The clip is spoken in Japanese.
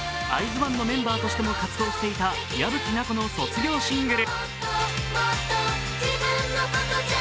ＯＮＥのメンバーとしても活動していた矢吹奈子の卒業シングル。